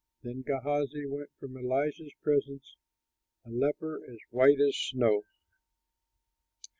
Then Gehazi went from Elisha's presence a leper as white as snow.